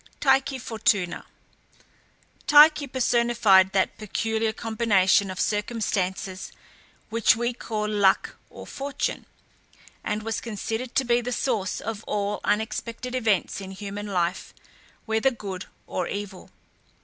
TYCHE (FORTUNA). Tyche personified that peculiar combination of circumstances which we call luck or fortune, and was considered to be the source of all unexpected events in human life, whether good or evil.